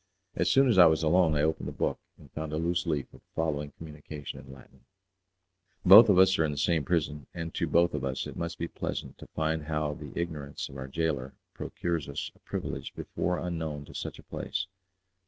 As soon as I was alone I opened the book, and found a loose leaf with the following communication in Latin: "Both of us are in the same prison, and to both of us it must be pleasant to find how the ignorance of our gaoler procures us a privilege before unknown to such a place.